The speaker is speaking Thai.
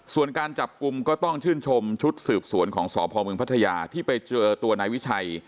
ส่วนการจับกลุ่มก็ต้องชื่นชมชุดสืบสวนของสพมพัทยาที่ไปเจอตัวนายวิชัย